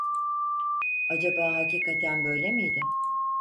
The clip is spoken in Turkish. Acaba hakikaten böyle miydi?